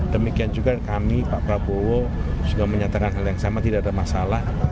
demikian juga kami pak prabowo sudah menyatakan hal yang sama tidak ada masalah